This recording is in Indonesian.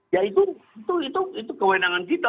ya itu kewenangan kita